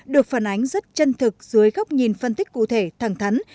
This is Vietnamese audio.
được phản ánh rất chân thực dưới góc nhìn phân tích cụ thể thẳng thắn